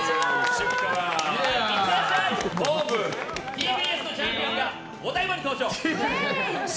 ＴＢＳのチャンピオンがお台場に登場！